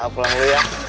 pulang dulu ya